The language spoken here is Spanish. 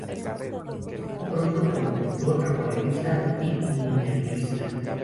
Destacó pronto como pintor, acuarelista y miniaturista.